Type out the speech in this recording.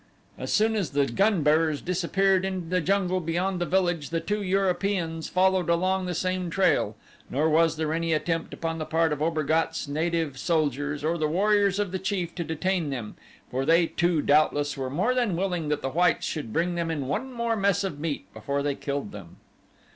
As soon as the gun bearers disappeared in the jungle beyond the village the two Europeans followed along the same trail, nor was there any attempt upon the part of Obergatz' native soldiers, or the warriors of the chief to detain them, for they too doubtless were more than willing that the whites should bring them in one more mess of meat before they killed them.